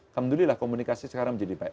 alhamdulillah komunikasi sekarang menjadi baik